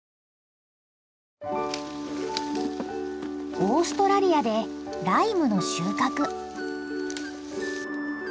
オーストラリアでライムの収穫。